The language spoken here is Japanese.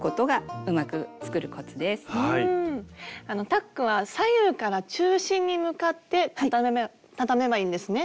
タックは左右から中心に向かってたためばいいんですね。